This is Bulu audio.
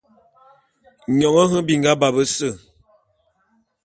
Nyone nhe binga ba bese.